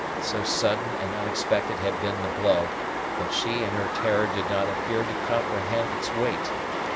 So sudden and unexpected had been the blow, that she in her terror did not appear to comprehend its weight.